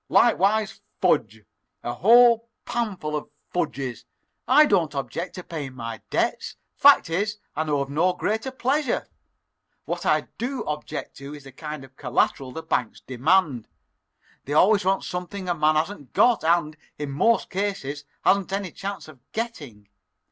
"Likewise fudge a whole panful of fudges! I don't object to paying my debts; fact is, I know of no greater pleasure. What I do object to is the kind of collateral the banks demand. They always want something a man hasn't got and, in most cases, hasn't any chance of getting.